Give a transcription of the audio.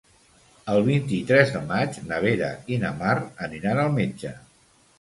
El vint-i-tres de maig na Vera i na Mar aniran al metge.